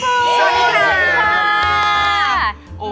สวัสดีค่ะ